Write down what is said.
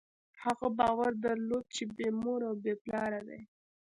هغه باور درلود، چې بېمور او بېپلاره دی.